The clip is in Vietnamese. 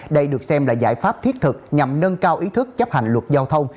đây được xem là giải pháp thiết thực nhằm nâng cao ý thức chấp hành luật giao thông